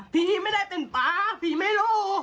พี่ไม่ได้เป็นป๊าพี่ไม่รู้